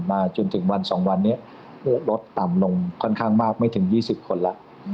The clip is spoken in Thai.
มาจนถึงวัน๒วันเนี่ยลดต่ำลงค่อนข้างมากไม่ถึง๒๐คนละ